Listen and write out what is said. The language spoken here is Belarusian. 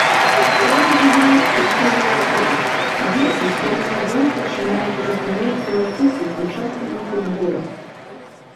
Там ужываюць усе ноў-хаў, дзеці з сямі гадоў пачынаюць разумець філасофію сучаснага футбола.